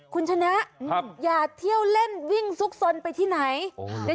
คุณชนะครับอย่าเที่ยวเล่นวิ่งซุกซนไปที่ไหนโอ้หรือ